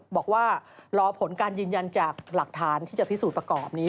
บอกว่ารอผลการยืนยันจากหลักฐานที่จะพิสูจน์ประกอบนี้